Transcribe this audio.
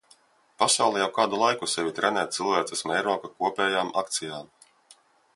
Pasaule jau kādu laiku sevi trenē cilvēces mēroga kopējām akcijām.